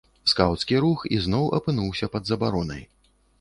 Скаўцкі рух ізноў апынуўся пад забаронай.